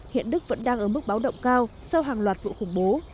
hiện đức vẫn đang ở mức báo động cao sau hàng loạt vụ khủng bố